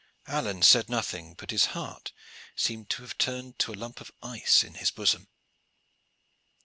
Alleyne said nothing, but his heart seemed to turn to a lump of ice in his bosom.